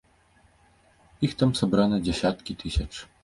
Іх там сабрана дзясяткі тысяч.